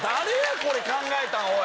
これ考えたん！